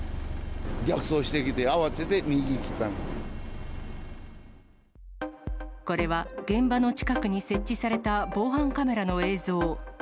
逆走してきて、慌てて右へ切これは、現場の近くに設置された防犯カメラの映像。